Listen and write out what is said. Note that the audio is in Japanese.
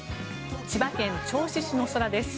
千葉県銚子市の空です。